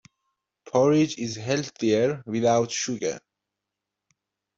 Porridge is healthier without sugar.